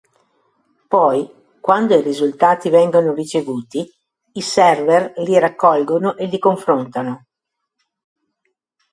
Poi, quando i risultati vengono ricevuti, i server li raccolgono e li confrontano.